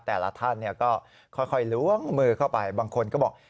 แต่ละท่านก็ค่อยล้วงมือเข้าไปบางคนก็บอก